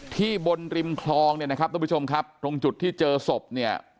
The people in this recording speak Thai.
บนริมคลองเนี่ยนะครับทุกผู้ชมครับตรงจุดที่เจอศพเนี่ย